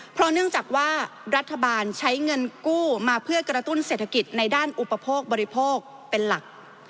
เพราะเนื่องจากว่ารัฐบาลใช้เงินกู้มาเพื่อกระตุ้นเศรษฐกิจในด้านอุปโภคบริโภคเป็นหลัก